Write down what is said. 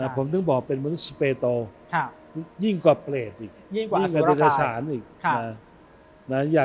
ผมต้องบอกเป็นมนุษย์ประโยชน์โตยิ่งกว่าเปรตอิสระศาล